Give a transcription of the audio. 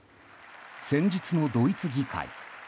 先日のドイツ議会。